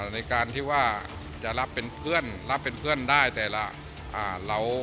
ในการที่ว่าจะรับเป็นเพื่อนรับเป็นเพื่อนได้แต่ละ